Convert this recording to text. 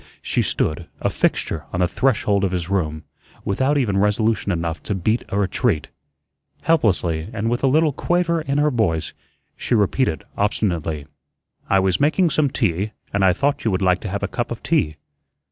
She stood, a fixture, on the threshold of his room, without even resolution enough to beat a retreat. Helplessly, and with a little quaver in her voice, she repeated obstinately: "I was making some tea, and I thought you would like to have a cup of tea."